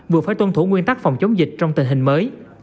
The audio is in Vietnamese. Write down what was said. vừa phải tuân thủ nguyên tắc phòng chống dịch trong tình hình mới